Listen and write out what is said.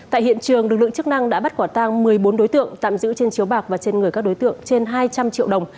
tại hiện trường lực lượng chức năng đã bắt quả tang một mươi bốn đối tượng tạm giữ trên chiếu bạc và trên người các đối tượng trên hai trăm linh triệu đồng